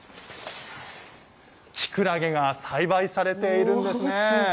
きくらげが栽培されているんですね。